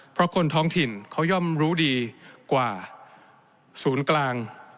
เพราะคนท้องถิ่นเขาย่อมรู้ดีกว่าศูนย์กลาง